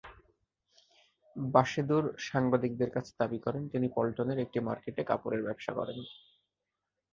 বাসেদুর সাংবাদিকদের কাছে দাবি করেন, তিনি পল্টনের একটি মার্কেটে কাপড়ের ব্যবসা করেন।